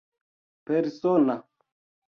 persona